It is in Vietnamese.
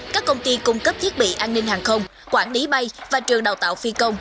các công ty cung cấp thiết bị an ninh hàng không quản lý bay và trường đào tạo phi công